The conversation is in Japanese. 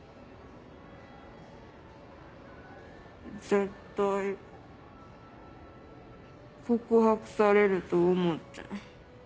絶対告白されると思って。